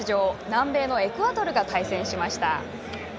南米のエクアドルが対戦しました。